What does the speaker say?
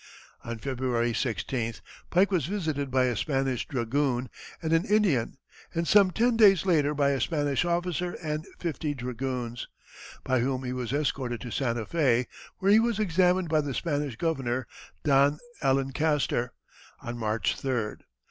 On February 16th, Pike was visited by a Spanish dragoon and an Indian; and some ten days later by a Spanish officer and fifty dragoons, by whom he was escorted to Santa Fé, where he was examined by the Spanish Governor, Don Allencaster, on March 3d.